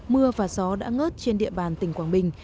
mưa và gió đã ngớt trên địa bàn tỉnh quảng bình